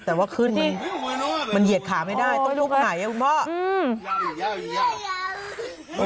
แต่ว่าขึ้นมันเหยียดขาไม่ได้ต้องลุกไปไหนคุณพ่อ